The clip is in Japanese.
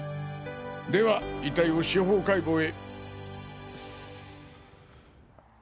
では遺体を司法解剖へ。